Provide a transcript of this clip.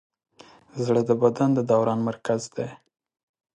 زړه د بدن د دوران مرکز دی.